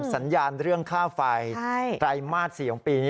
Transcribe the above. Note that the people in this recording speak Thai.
สัญญาณเรื่องค่าไฟไตรมาส๔ของปีนี้